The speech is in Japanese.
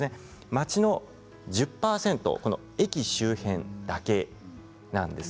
町の１０％、駅周辺だけなんです。